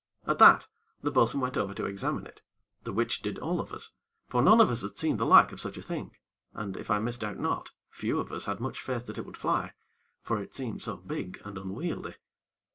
At that, the bo'sun went over to examine it, the which did all of us; for none of us had seen the like of such a thing, and, if I misdoubt not, few of us had much faith that it would fly; for it seemed so big and unwieldy.